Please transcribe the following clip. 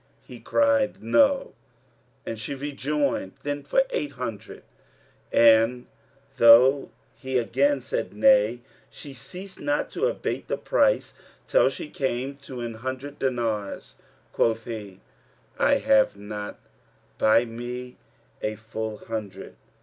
He cried, "No," and she rejoined, "Then for eight hundred;" and though he again said, "Nay," she ceased not to abate the price, till she came to an hundred dinars. Quoth he, "I have not by me a full hundred."